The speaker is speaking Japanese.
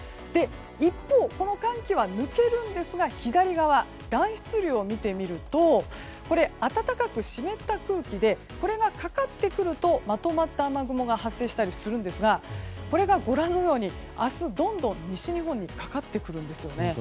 一方、この寒気は抜けるんですが左側の暖湿流を見てみると暖かく湿った空気でこれがかかってくるとまとまった雨雲が発生したりするんですがこれがご覧のように明日、どんどん西日本にかかってくるんですね。